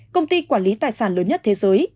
công ty quản lý tài sản lớn nhất thế giới